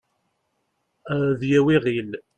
ad yawi iɣil